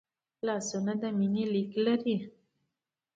لاسونه د مینې لیک لري